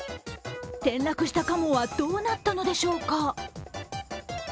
転落したカモはどうなったのでしょうか。